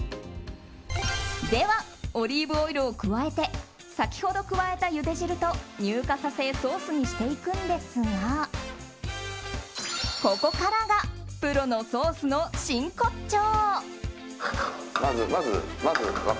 では、オリーブオイルを加えて先ほど加えたゆで汁と乳化させソースにしていくんですがここからがプロのソースの真骨頂。